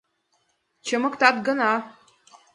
Чымыктат гына!